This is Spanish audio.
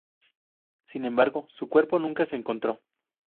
Sin embargo, su cuerpo nunca se encontró.